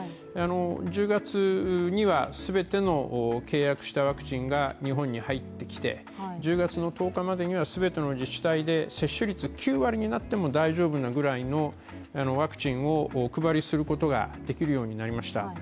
１０月には全ての契約したワクチンが日本に入ってきて１０月１０日までには全ての自治体で接種率が９割になっても大丈夫なぐらいのワクチンをお配りすることができるようになりました。